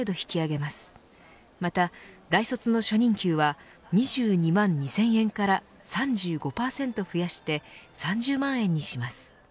また大卒の初任給は２２万２０００円から３５％増やして３０万円にします。